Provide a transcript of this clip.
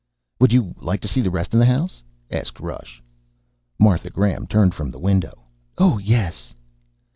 "Would you like to see the rest of the house?" asked Rush. Martha Graham turned from the window. "Oh, yes."